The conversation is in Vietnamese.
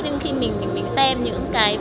nhưng khi mình xem những cái